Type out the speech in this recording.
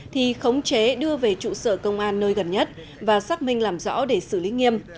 thì khống chế đưa về trụ sở công an nơi gần nhất và xác minh làm rõ để xử lý nghiêm